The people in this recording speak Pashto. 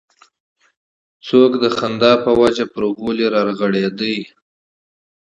څوک به د خندا په وجه پر غولي رغړېده.